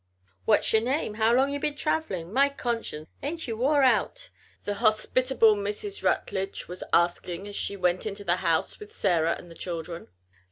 '" "What's yer name? How long ye been travelin'? My conscience! Ain't ye wore out?" the hospitable Mrs. Rutledge was asking as she went into the house with Sarah and the children.